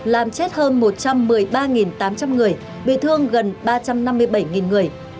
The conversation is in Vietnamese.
làm chết hơn một trăm một mươi ba tám trăm linh người bị thương gần ba trăm năm mươi bảy người